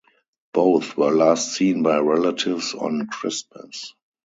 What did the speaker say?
Both were last seen by relatives on Christmas.